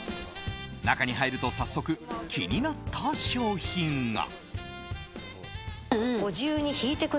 中に入ると早速、気になった商品が。